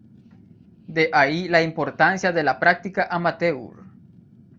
de ahí la importancia de la práctica amateur